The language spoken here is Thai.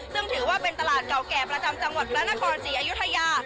ซึ่งถือว่าเป็นตลาดเก่าแก่ประจำจังหวัดพระนครศรีอยุธยา